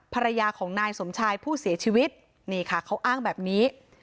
ภรรยาของนายสมชายผู้เสียชีวิตนี่ค่ะเขาอ้างแบบนี้